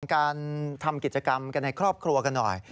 การทำกิจกรรมกันในครอบครัวกันหน่อย